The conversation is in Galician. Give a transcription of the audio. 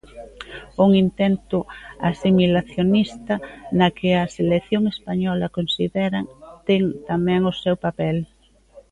Un intento "asimilacionista" na que a selección española, consideran, ten tamén o seu papel.